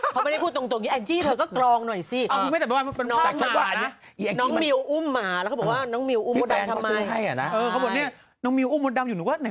เขาไม่ได้พูดตรงนี้แองจี้เธอก็กรองหน่อยสิ